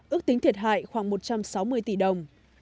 ước tính thiệt hại khoảng một trăm sáu mươi tỷ đồng